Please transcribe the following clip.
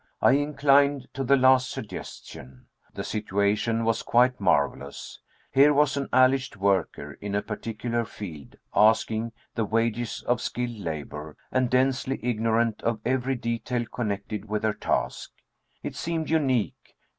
I inclined to the last suggestion. The situation was quite marvelous. Here was an alleged worker, in a particular field, asking the wages of skilled labor, and densely ignorant of every detail connected with her task. It seemed unique.